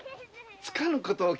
つかぬことを。